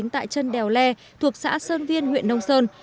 tại trân đèo lè thuộc xã sơn viên huyện nông sơn